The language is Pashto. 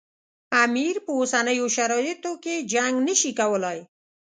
امیر په اوسنیو شرایطو کې جنګ نه شي کولای.